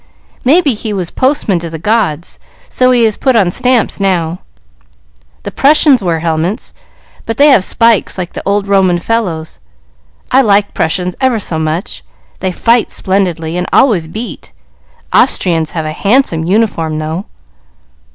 "May be he was postman to the gods, so he is put on stamps now. The Prussians wear helmets, but they have spikes like the old Roman fellows. I like Prussians ever so much; they fight splendidly, and always beat. Austrians have a handsome uniform, though."